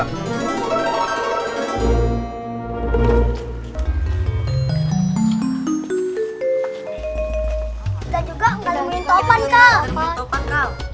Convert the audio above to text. kita juga gak nemuin topan kal